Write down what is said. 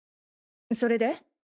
それで？